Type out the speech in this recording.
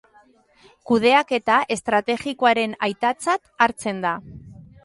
Kudeaketa estrategikoaren aitatzat hartzen da.